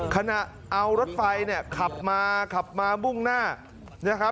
ขณะเอารถไฟขับมาขับมามุ่งหน้า